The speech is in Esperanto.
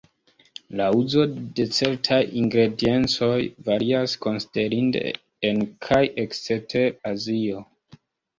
La uzo de certaj ingrediencoj varias konsiderinde en kaj ekster Azio.